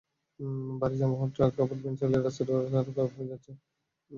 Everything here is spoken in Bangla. ভারী যানবাহন, ট্রাক, কাভার্ড ভ্যান চলায় রাস্তার অবস্থা আরও খারাপ হয়েছে।